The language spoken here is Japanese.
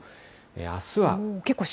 あすは。